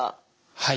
はい。